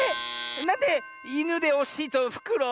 なんでイヌでおしいとフクロウ？